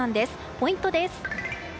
ポイントです。